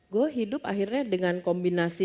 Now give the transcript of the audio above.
gue hidup akhirnya dengan kombinasi